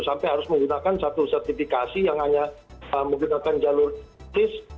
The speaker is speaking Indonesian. sampai harus menggunakan satu sertifikasi yang hanya menggunakan jalur tis